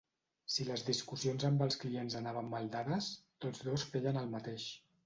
Si les discussions amb els clients anaven mal dades, tots dos feien el mateix.